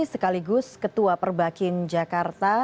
sekaligus ketua perbakin jakarta